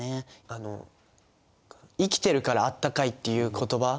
あの生きてるからあったかいっていう言葉。